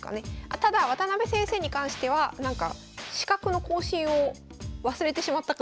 ただ渡辺先生に関しては資格の更新を忘れてしまったか